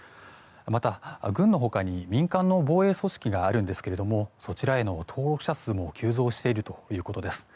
また、軍の他に民間の防衛組織があるんですけれどもそちらへの登録者数も急増しているということです。